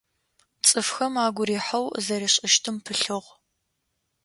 Цӏыфхэм агу рихьэу зэришӏыщтым пылъыгъ.